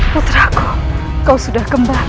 putraku kau sudah kembali